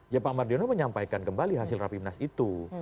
yang pak mardiano menyampaikan kembali hasil rapimnas itu